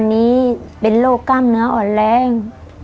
อันนี้เป็นโรคกล้ามเนื้ออ่อนแรง